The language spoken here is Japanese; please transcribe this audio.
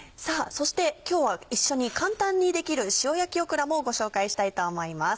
そして今日は一緒に簡単にできる「塩焼きオクラ」もご紹介したいと思います。